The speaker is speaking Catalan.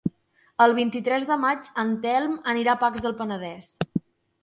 El vint-i-tres de maig en Telm anirà a Pacs del Penedès.